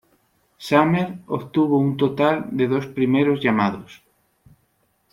Sumner obtuvo un total de dos primeros llamados.